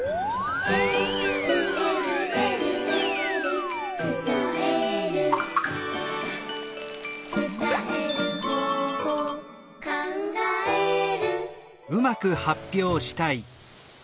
「えるえるえるえる」「つたえる」「つたえる方法」「かんがえる」